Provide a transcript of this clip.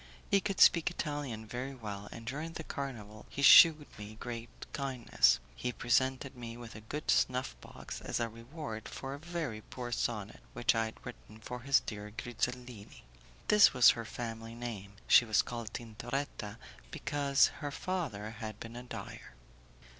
He could speak Italian very well, and during the carnival he shewed me great kindness. He presented me with a gold snuffbox as a reward for a very poor sonnet which I had written for his dear Grizellini. This was her family name; she was called Tintoretta because her father had been a dyer.